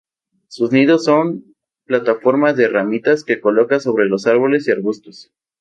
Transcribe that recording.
Sus nidos son plataformas de ramitas que coloca sobre los árboles y arbustos.